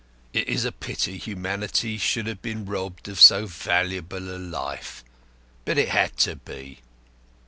It is a pity humanity should have been robbed of so valuable a life. But it had to be.